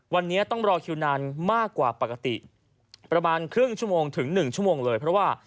วันนี้ต้องรอคิวนานมากกว่าปกติประมาณครึ่งชั่วโมงถึง๑ชั่วโมงเลยเพราะว่า